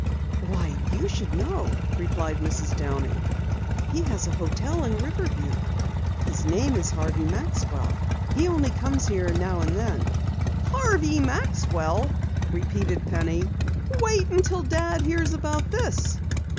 "Why, you should know," replied Mrs. Downey. "He has a hotel in Riverview. His name is Harvey Maxwell. He only comes here now and then." "Harvey Maxwell!" repeated Penny. "Wait until Dad hears about this!"